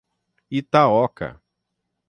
Itaoca